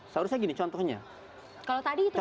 seharusnya gini contohnya kalau tadi itu